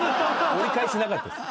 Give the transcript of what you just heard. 折り返しなかった。